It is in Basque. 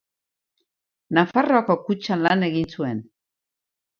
Nafarroako Kutxan lan egin zuen.